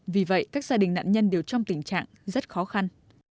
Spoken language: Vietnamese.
vì vậy các gia đình nạn nhân đều trong tình trạng rất khó khăn